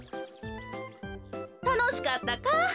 たのしかったか？